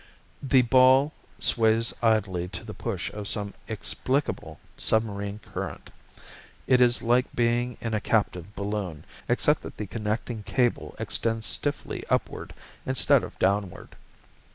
The ball sways idly to the push of some explicable submarine current. It is like being in a captive balloon, except that the connecting cable extends stiffly upward instead of downward.